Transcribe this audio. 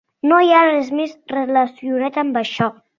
No hi ha res més relacionat amb això.